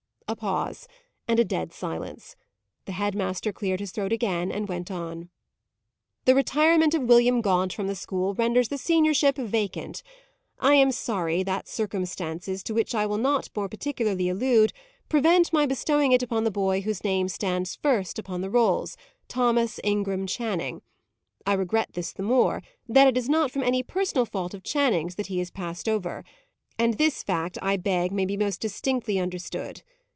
A pause and a dead silence. The head master cleared his throat again, and went on. "The retirement of William Gaunt from the school, renders the seniorship vacant. I am sorry that circumstances, to which I will not more particularly allude, prevent my bestowing it upon the boy whose name stands first upon the rolls, Thomas Ingram Channing. I regret this the more, that it is not from any personal fault of Channing's that he is passed over; and this fact I beg may be most distinctly understood.